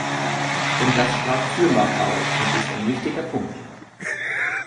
Und das sprach für Macau und ist ein wichtiger Punkt.